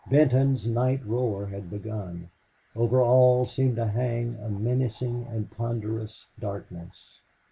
Benton's night roar had begun. Over all seemed to hang a menacing and ponderous darkness.